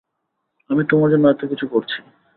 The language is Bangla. আমি তোমার জন্য এত কিছু করছি।